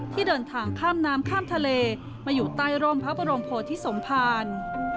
ที่เดินทางข้ามน้ำข้ามทะเลมาอยู่ใต้ร่มพระบรมโพธิสมภาร